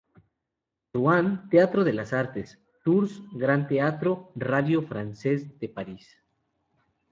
Ruan: Teatro de las Artes; Tours: Gran Teatro; Radio France de París.